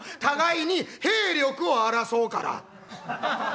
「互いに兵力を争うから」。